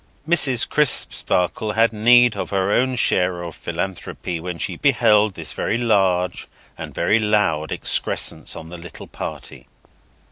Mrs. Crisparkle had need of her own share of philanthropy when she beheld this very large and very loud excrescence on the little party.